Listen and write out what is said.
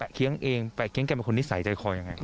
เคี้ยงเองแต่เคี้ยงแกเป็นคนนิสัยใจคอยังไง